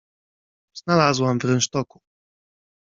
— Znalazłam w rynsztoku.